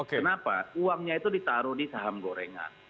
kenapa uangnya itu ditaruh di saham gorengan